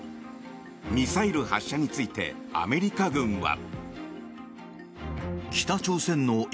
ミサイル発射についてアメリカ軍は。